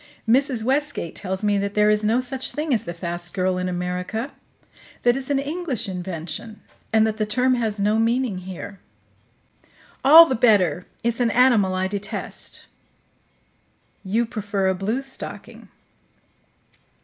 Mrs. Westgate tells me that there is no such thing as the 'fast girl' in America; that it's an English invention, and that the term has no meaning here." "All the better. It's an animal I detest." "You prefer a bluestocking."